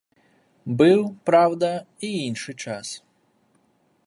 Быў, праўда, і іншы час.